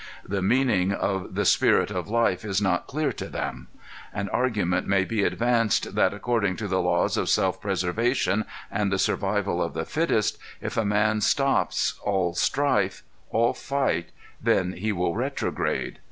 The meaning of the spirit of life is not clear to them. An argument may be advanced that, according to the laws of self preservation and the survival of the fittest, if a man stops all strife, all fight, then he will retrograde.